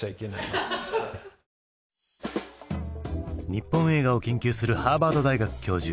日本映画を研究するハーバード大学教授